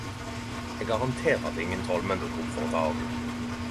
Eg garanterer at ingen trollmenn dukkar opp for å ta oss!